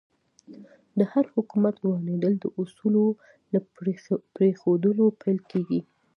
د هر حکومت ورانېدل د اصولو له پرېښودلو پیل کېږي.